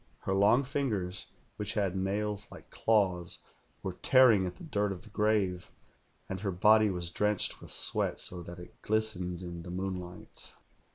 Her long fingers, which had nails like claws, were tearing at the dirt of the grave, and her body was drenched with sweat, so that it glistened in the moonlight.